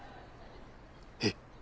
えっ？